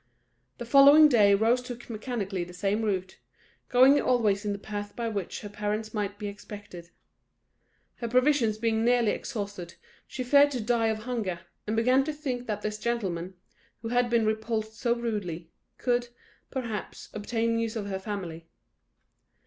The following day Rose took mechanically the same route, going always in the path by which her parents might be expected. Her provisions being nearly exhausted, she feared to die of hunger, and began to think that this gentleman, who had been repulsed so rudely, could, perhaps, obtain news of her family.